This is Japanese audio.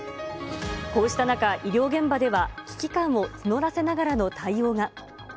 こうした中、医療現場では、危機感を募らせながらの対応が。